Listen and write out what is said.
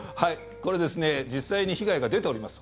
これ実際に被害が出ております。